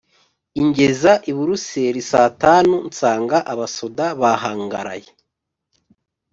ingeza i Bruseli sa tanu, nsanga abasoda bahangaraye,